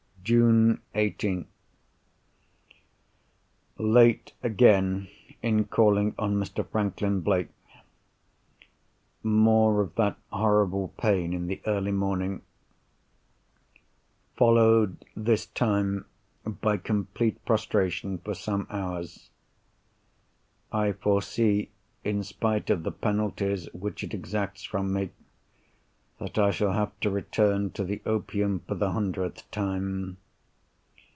June 18th.—Late again, in calling on Mr. Franklin Blake. More of that horrible pain in the early morning; followed, this time, by complete prostration, for some hours. I foresee, in spite of the penalties which it exacts from me, that I shall have to return to the opium for the hundredth time.